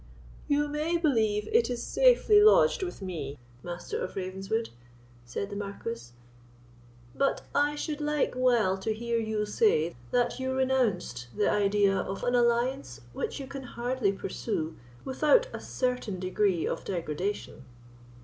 "You may believe it is safely lodged with me, Master of Ravenswood," said the Marquis; "but I should like well to hear you say that you renounced the idea of an alliance which you can hardly pursue without a certain degree of degradation."